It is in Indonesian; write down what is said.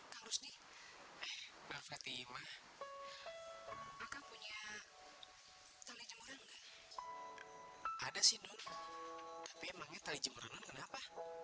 terus nih berarti mah maka punya tali jemuran ada sih dulu tapi emangnya tali jemuran kenapa